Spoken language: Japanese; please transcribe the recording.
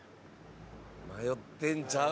迷ってんちゃう？